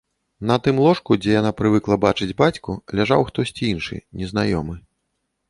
На тым ложку, дзе яна прывыкла бачыць бацьку, ляжаў хтосьці іншы, незнаёмы.